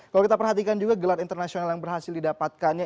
kalau kita perhatikan juga gelar internasional yang berhasil didapatkannya